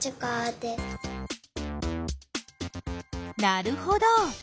なるほど。